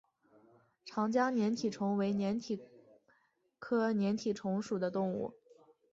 长江粘体虫为粘体科粘体虫属的动物。